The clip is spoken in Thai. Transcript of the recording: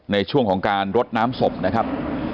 ในช่วงของการรดน้ำศพนะครับ